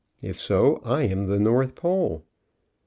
If so, I am the North pole."